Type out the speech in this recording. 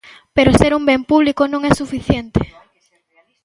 Pero ser un ben público non é suficiente.